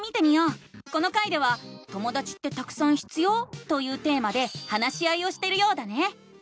この回では「ともだちってたくさん必要？」というテーマで話し合いをしてるようだね！